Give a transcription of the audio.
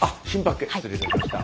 失礼いたしました。